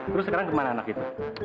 terus sekarang kemana anak itu